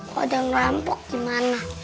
kok ada yang rampok gimana